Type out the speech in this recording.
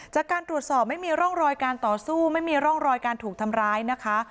จากการตรวจสอบไม่มีร่องรอยการต่อสู้ไม่มีร่องรอยการถูกทำร้ายนะคะ